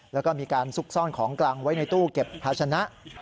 แล้วก็มีการซุกซ่อนของกลางไว้ในตู้เก็บภาชนะ